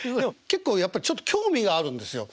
結構やっぱりちょっと興味があるんですよ。